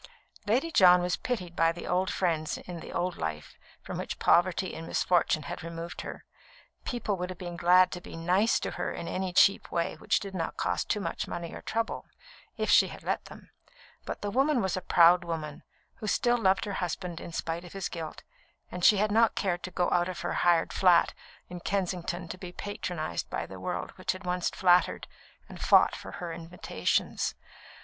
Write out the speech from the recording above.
Lady John was pitied by the old friends in the old life from which poverty and misfortune had removed her. People would have been glad to be "nice" to her in any cheap way which did not cost too much money or trouble, if she had let them. But the woman was a proud woman, who still loved her husband in spite of his guilt, and she had not cared to go out of her hired flat in Kensington to be patronised by the world which had once flattered and fought for her invitations.